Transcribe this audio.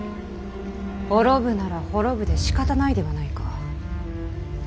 滅ぶなら滅ぶでしかたないではないか。